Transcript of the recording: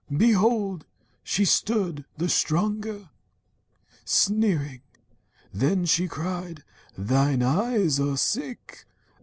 Behold! She stood the stronger! Sneering then, she cried: 'Thine eyes are sick